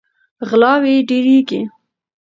غلاوې ډیریږي.